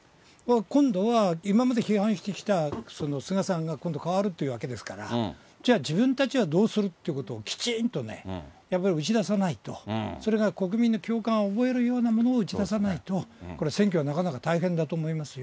今度は今まで批判してきた菅さんが今度代わるっていうわけですから、じゃあ、自分たちはどうするってことをきちんとね、やっぱり、打ち出さないと、それが国民の共感を覚えるようなものを打ち出さないと、これ、選挙はなかなか大変だと思いますよ。